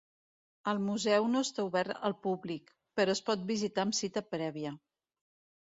El museu no està obert al públic, però es pot visitar amb cita prèvia.